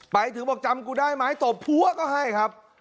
ไปถึงบอกจำกูได้ไหมตบพัวก็ให้ครับ